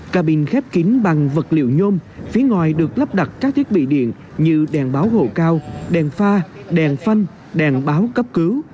cabin khép kín bằng vật liệu nhôm phía ngoài được lắp đặt các thiết bị điện như đèn báo hồ cao đèn pha đèn phanh đèn báo cấp cứu